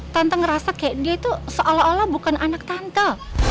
tante ngerasa kayak dia itu seolah olah bukan anak tante